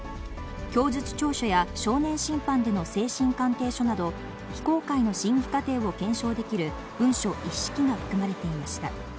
供述調書や少年審判での精神鑑定書など、非公開の審議過程を検証できる文書一式が含まれていました。